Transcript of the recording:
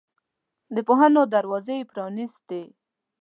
د پوهنو دروازې یې پرانستلې.